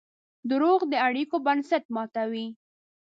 دروغ د اړیکو بنسټ ماتوي.